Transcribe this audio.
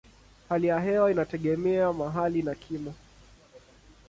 Hali ya hewa inategemea mahali na kimo.